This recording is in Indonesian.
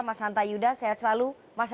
mas hanta yuda sehat selalu mas